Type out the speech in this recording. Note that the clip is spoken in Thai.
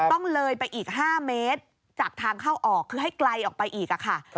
ต้องเลยไปอีก๕เมตรจากทางเข้าออกคือให้ไกลออกไปอีกค่ะ